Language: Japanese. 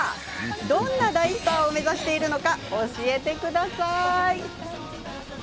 どんな大スターを目指しているのか教えてください。